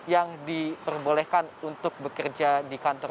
yang diperbolehkan untuk bekerja di kantor